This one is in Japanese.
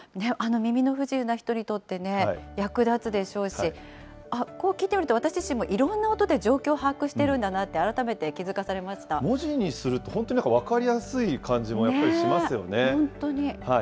耳の不自由な人にとってね、役立つでしょうし、こう聞いてると、私自身もいろんな音で状況を把握してるんだなって、改めて気付か文字にすると、本当になんか分かりやすい感じもやっぱりしますよね。